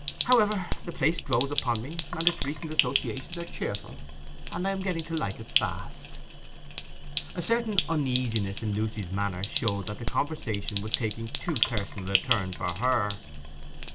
However, the place grows upon me; its recent associations are cheerful, and I am getting to like it fast.' A certain uneasiness in Lucy's manner showed that the conversation was taking too personal a turn for her.